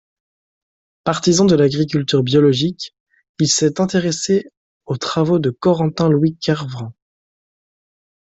Partisan de l'agriculture biologique, il s'est intéressé aux travaux de Corentin Louis Kervran.